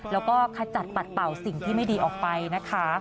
แล้วก็ขจัดปัดเป่าสิ่งที่ไม่ดีออกไปนะคะ